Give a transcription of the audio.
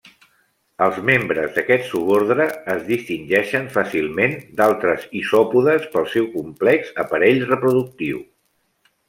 Els membres d'aquest subordre es distingeixen fàcilment d'altres isòpodes pel seu complex aparell reproductiu.